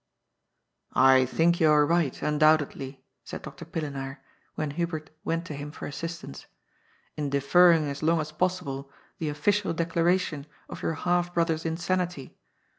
" I think you are right, undoubtedly," said Dr. Pille naar, when Hubert went to him for assistance, *^ in defer ring as long as possible the official declaration of your half brother's insanity.